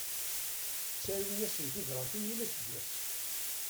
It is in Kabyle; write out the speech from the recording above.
Ttarun-asen tibratin yal aseggas.